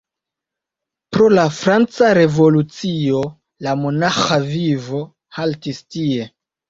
Pro la franca revolucio, la monaĥa vivo haltis tie.